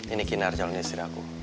ini kinar calon istri aku